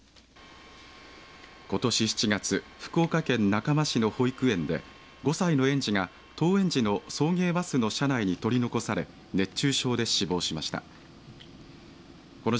ことし７月福岡県中間市の保育園で５歳の園児が登園時の園児の送迎バスの車内に取り残され熱中症で死亡しました。